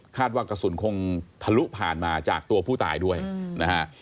ว่ากระสุนคงทะลุผ่านมาจากตัวผู้ตายด้วยนะฮะ